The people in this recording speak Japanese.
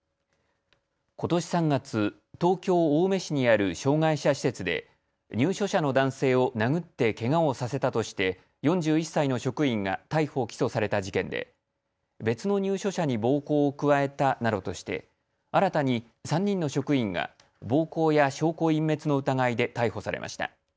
ことし３月、東京青梅市にある障害者施設で入所者の男性を殴ってけがをさせたとして４１歳の職員が逮捕・起訴された事件で別の入所者に暴行を加えたなどとして新たに３人の職員が暴行や証拠隠滅の疑いで逮捕されました。